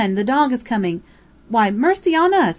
The dog is coming! Why, mercy on us!